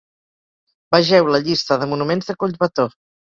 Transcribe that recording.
Vegeu la llista de monuments de Collbató.